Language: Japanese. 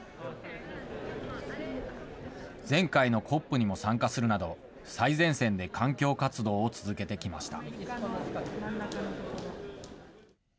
前回のＣＯＰにも参加するなど、最前線で環境活動を続けてきました。